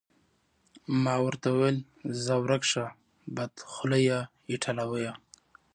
ما ورته وویل: ځه ورک شه، بدخولې ایټالویه.